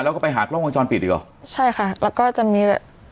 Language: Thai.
แล้วก็ไปหากล้องวงจรปิดอีกหรอใช่ค่ะแล้วก็จะมีแบบ